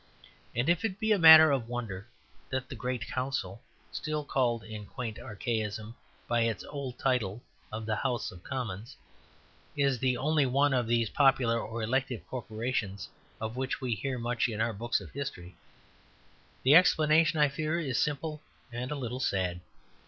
And if it be a matter of wonder that the great council (still called in quaint archaism by its old title of the House of Commons) is the only one of these popular or elective corporations of which we hear much in our books of history, the explanation, I fear, is simple and a little sad.